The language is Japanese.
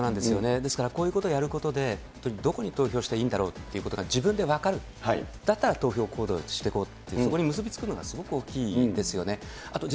ですから、こういうことやることで、どこに投票したらいいんだろうということが自分で分かる、だったら投票行動にしていこうって、そこに結び付けるのはすごく大きいですよね。